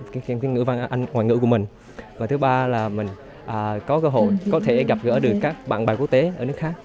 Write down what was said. kiến thức ngữ và ngoại ngữ của mình và thứ ba là mình có cơ hội có thể gặp gỡ được các bạn bè quốc tế ở nước khác